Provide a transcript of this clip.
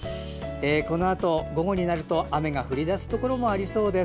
午後になると雨が降り出すところもありそうです。